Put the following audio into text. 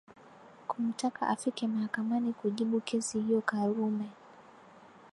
Kumtaka afike mahakamani kujibu kesi hiyo Karume